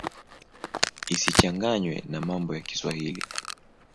Isichanganywe na mambo ya Kiswahili.